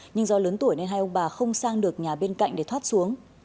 nhưng do lớn tuổi nên hai ông bà không sang được nhà bên cạnh để thoát xuống